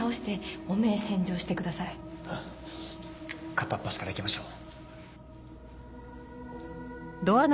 片っ端から行きましょう。